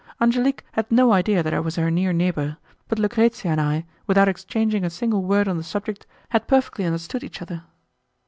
Angelique had no idea that I was her near neighbour, but Lucrezia and I, without exchanging a single word on the subject, had perfectly understood each other.